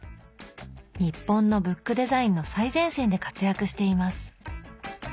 日本のブックデザインの最前線で活躍しています。